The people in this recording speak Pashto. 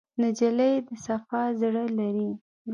نجلۍ د صفا زړه لري.